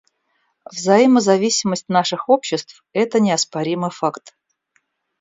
Взаимозависимость наших обществ — это неоспоримый факт.